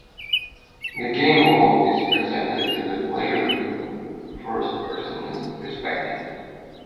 The game world is presented to the player in first person perspective.